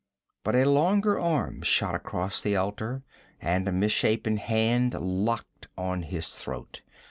But a longer arm shot across the altar and a misshapen hand locked on his throat.